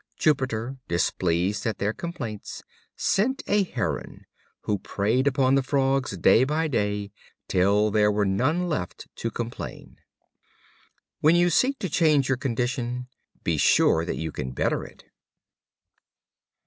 Jupiter, displeased at their complaints, sent a Heron, who preyed upon the Frogs day by day, till there were none left to complain. When you seek to change your condition, be sure that you can better it.